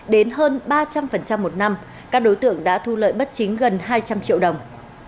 đến hơn ba trăm linh một năm các đối tượng đã thu lợi bất chính gần hai trăm linh triệu đồng